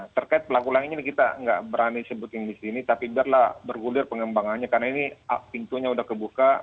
terkait pelaku lainnya ini kita nggak berani sebutin disini tapi biarlah bergulir pengembangannya karena ini pintunya udah kebuka